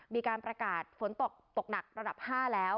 มีการประกาศฝนตกตกหนักระดับ๕แล้ว